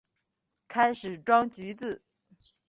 开始装橘子